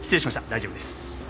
大丈夫です。